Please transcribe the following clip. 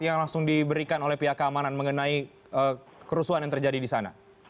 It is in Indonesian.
yang langsung diberikan oleh pihak keamanan mengenai kerusuhan yang terjadi di sana